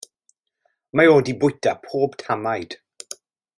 Mae o 'di bwyta pob tamaid.